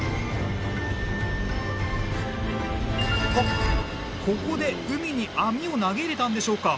あっここで海に網を投げ入れたんでしょうか？